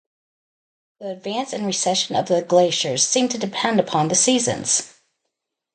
The advance and recession of the glaciers seem to depend upon the seasons.